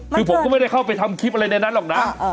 คือผมก็ไม่ได้เข้าไปทำคลิปอะไรในนั้นหรอกนะ